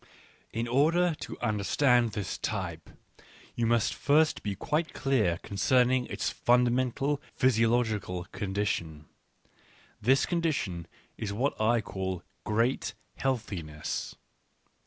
In order to understand this type, you must first be quite clear concerning its fundamental physio l ogical condition : this condition is what I call / great healthiness.